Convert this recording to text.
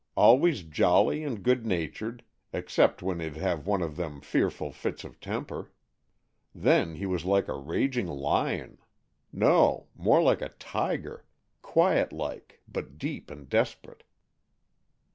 Always jolly and good natured, except when he'd have one of them fearful fits of temper. Then he was like a raging lion—no, more like a tiger; quiet like, but deep and desperate."